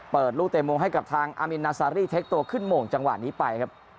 เปิดลูกเตะมงให้กับทางอามินนาซารี่เทคตัวขึ้นโมงจังหวะนี้ไปครับ